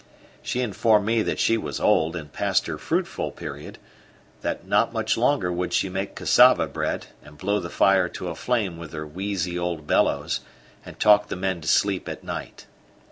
She informed me that she was old and past her fruitful period; that not much longer would she make cassava bread, and blow the fire to a flame with her wheezy old bellows, and talk the men to sleep at night.